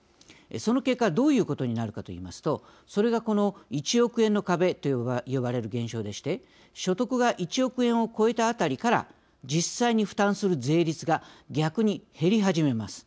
その結果どういうことになるかといいますとそれがこの１億円の壁と呼ばれる現象でして所得が１億円を超えたあたりから実際に負担する税率が逆に減り始めます。